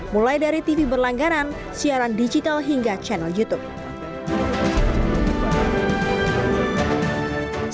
mulai dari tv berlangganan siaran digital hingga channel youtube